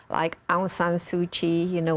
like aung san suu kyi you know